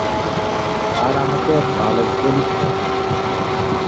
আর আমাকে বালক বলিস না।